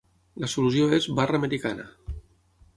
La solució és "barra americana".